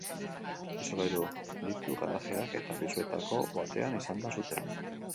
Bi solairu ditu garajeak, eta pisuetako batean izan da sutea.